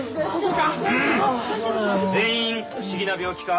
全員不思議な病気か？